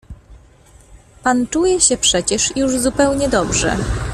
"Pan czuje się przecież już zupełnie dobrze."